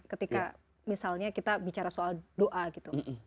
ketika misalnya kita bicara soal doa gitu